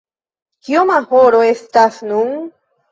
Kioma horo estas nun?